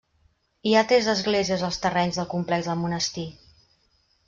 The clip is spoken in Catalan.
Hi ha tres esglésies als terrenys del complex del monestir.